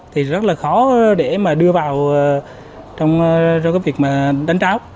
thì rất là khó để mà đưa vào trong cái việc mà đánh tráo